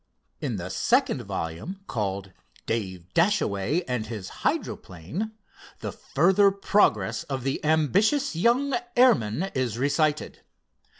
In the second volume, called "Dave Dashaway And His Hydroplane," the further progress of the ambitious young airman is recited.